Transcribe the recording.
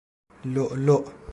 لؤ لؤ